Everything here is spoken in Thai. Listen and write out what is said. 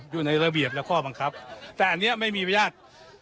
อยู่ในระเบียบและข้อบังคับแต่อันนี้ไม่มีอนุญาต